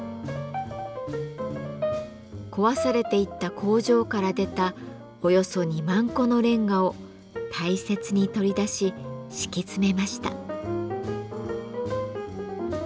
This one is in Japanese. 壊されていった工場から出たおよそ２万個のレンガを大切に取り出し敷き詰めました。